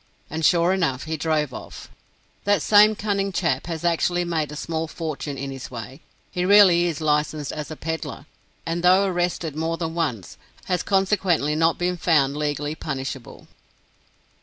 And sure enough, he drove off. That same cunning chap has actually made a small fortune in this way. He really is licensed as a peddler, and though arrested more than once, has consequently not been found legally punishable.